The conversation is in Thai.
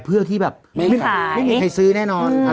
พี่ปั๊ดเดี๋ยวมาที่ร้องให้